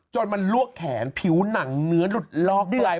จนมันลวกแขนผิวหนังเนื้อหลุดลอกด้วย